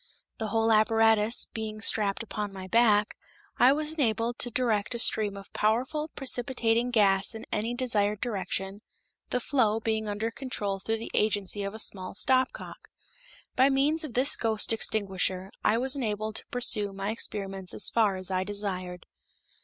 The whole apparatus being strapped upon my back, I was enabled to direct a stream of powerful precipitating gas in any desired direction, the flow being under control through the agency of a small stopcock. By means of this ghost extinguisher I was enabled to pursue my experiments as far as I desired.